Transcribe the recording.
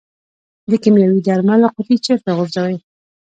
د کیمیاوي درملو قطۍ چیرته غورځوئ؟